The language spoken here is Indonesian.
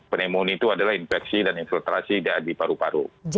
pneumonia itu adalah infeksi dan infiltrasi dari paru paru